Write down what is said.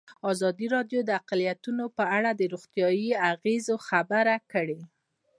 ازادي راډیو د اقلیتونه په اړه د روغتیایي اغېزو خبره کړې.